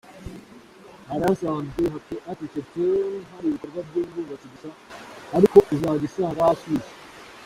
Hari hasanzwe hacecetse, hari ibikorwa by’ubwubatsi gusa, ariko uzajya usanga hashyushye.